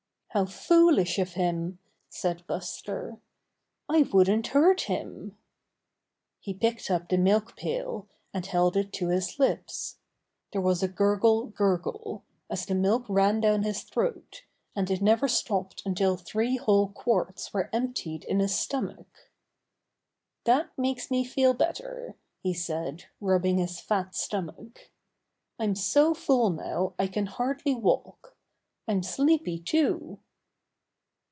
^^How foolish of him!" said Buster. "I wouldn't hurt him!" He picked up the milk pail and held it to his lips. There was a gurgle, gurgle as the milk ran down his throat, and it never stopped Buster Meets Little Girl Again 99 until three whole quarts were emptied in his stomach. "That makes me feel better," he said, rub bing his fat stomach. "I'm so full now I can hardly walk. I'm sleepy, too."